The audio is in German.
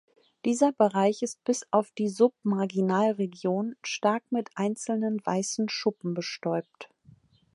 Dieser Bereich ist bis auf die Submarginalregion stark mit einzelnen, weißen Schuppen bestäubt.